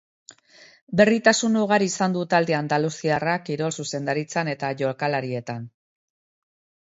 Berritasun ugari izan du talde andaluziarrak kirol zuzendaritzan, eta jokalarietan.